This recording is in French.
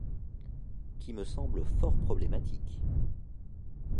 qui me semblent fort problématiques.